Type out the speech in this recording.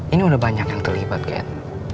ini udah banyak yang terlibat kan